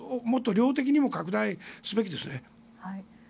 もっと量的にも拡大すべきですね。